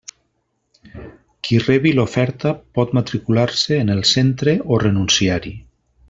Qui rebi l'oferta pot matricular-se en el centre o renunciar-hi.